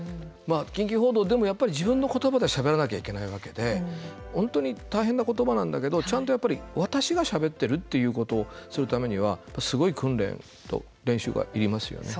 緊急報道でもやっぱり自分のことばでしゃべらなきゃいけないわけで本当に大変なことばなんだけどちゃんとやっぱり私がしゃべってるっていうことをするためにはすごい訓練と練習がいりますよね。